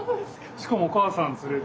しかもお母さん連れて。